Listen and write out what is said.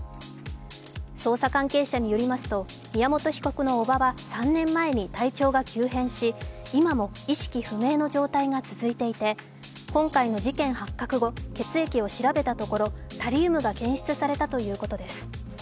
捜査関係者によりますと、宮元被告の叔母は３年前に体調が急変し今も意識不明の状態が続いていて今回の事件発覚後、血液を調べたところタリウムが検出されたということです。